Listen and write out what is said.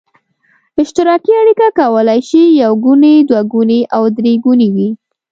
اشتراکي اړیکه کولای شي یو ګونې، دوه ګونې او درې ګونې وي.